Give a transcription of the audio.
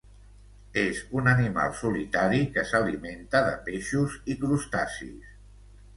És un animal solitari que s'alimenta de peixos i crustacis.